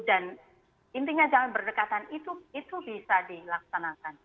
dan intinya jalan berdekatan itu itu bisa dilaksanakan